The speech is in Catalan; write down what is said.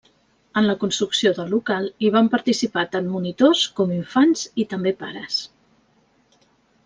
En la construcció del local hi van participar tant monitors, com infants i també pares.